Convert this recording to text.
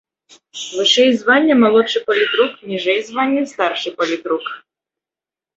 Вышэй звання малодшы палітрук, ніжэй звання старшы палітрук.